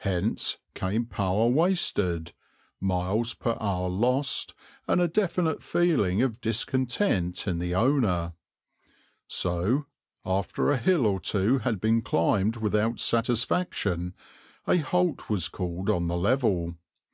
Hence came power wasted, miles per hour lost, and a definite feeling of discontent in the owner. So, after a hill or two had been climbed without satisfaction, a halt was called on the level.